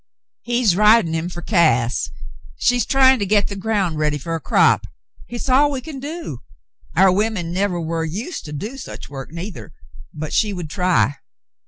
'' "He's rid'n' him fer Cass. She's tryin' to get the ground ready fer a crap. Hit's all we can do. Our women nevah war used to do such work neither, but she would try."